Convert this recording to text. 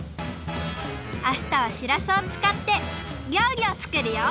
あしたはしらすをつかってりょうりをつくるよ。